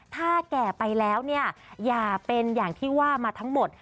ถ้าแก่ไปแล้วเนี่ยอย่าเป็นอย่างที่ว่ามาทั้งหมด